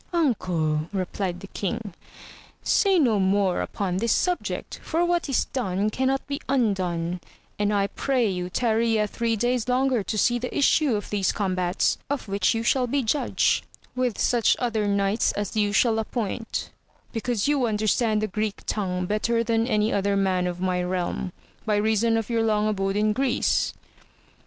Uncle, replied the king, say no more upon this subject, for what is done cannot be undone, and I pray yon tarry yet three days longer to see the issue of these combtirt^ of which you shall be judge, with such other knights as you shall appoint, because you understand the Greek tongue better than any^other man of my realm, by reason of your long abode in Greece.